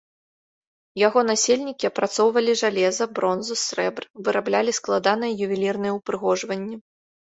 Яго насельнікі апрацоўвалі жалеза, бронзу, срэбра, выраблялі складаныя ювелірныя ўпрыгожванні.